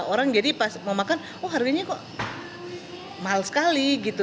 orang jadi pas mau makan oh harganya kok mahal sekali gitu